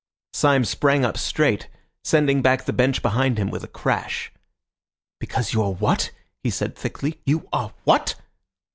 Syme sprang up straight, sending back the bench behind him with a crash. "Because you are what?" he said thickly. "You are what?"